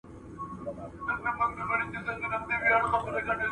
تخت ورته جوړ سي، سړی کښیني لکه سیوری غلی ..